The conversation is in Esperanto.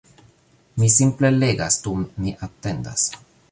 Mi simple legas dum mi atendas